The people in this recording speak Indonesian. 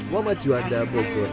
wamat juanda bogor jawa barat